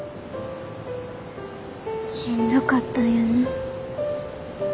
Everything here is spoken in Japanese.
しんどかったんやな。